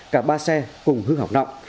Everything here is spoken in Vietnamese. cả ba xe cùng hư hỏng nặng